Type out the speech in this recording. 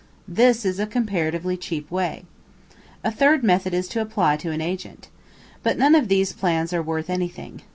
This is a comparatively cheap way. A third method is to apply to an agent. But none of these plans are worth anything.